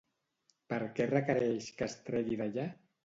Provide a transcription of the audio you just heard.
Per què requereix que es tregui d'allà?